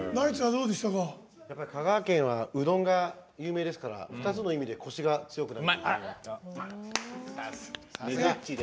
香川県はうどんが有名ですから２つの意味でこしが強い。